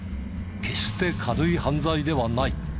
決して軽い犯罪ではない。